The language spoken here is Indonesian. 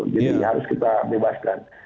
jadi harus kita bebaskan